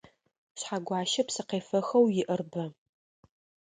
Шъхьэгуащэ псыкъефэхэу иӏэр бэ.